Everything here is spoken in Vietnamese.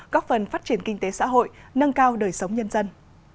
góp phần phát triển kinh tế xã hội nâng cao đời sống nhân dân